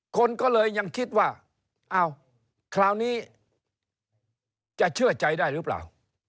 คนก็เลยยังคิดว่าอ้าวคราวนี้จะเชื่อใจได้หรือเปล่า